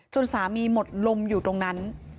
สามีหมดลมอยู่ตรงนั้น